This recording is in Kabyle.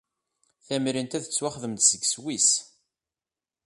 Tamrint-a tettwaxdem-d deg Sswis.